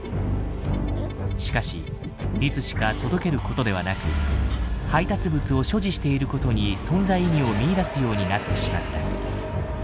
しかしいつしか届けることではなく配達物を所持していることに存在意義を見いだすようになってしまった。